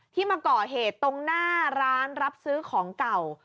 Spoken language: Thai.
มาก่อเหตุตรงหน้าร้านรับซื้อของเก่า